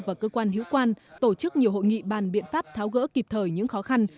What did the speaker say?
và cơ quan hữu quan tổ chức nhiều hội nghị bàn biện pháp tháo gỡ kịp thời những khó khăn